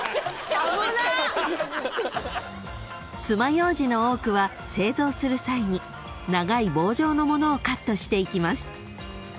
［つまようじの多くは製造する際に長い棒状の物をカットしていきます］